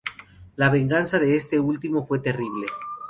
La venganza de este último fue terrible.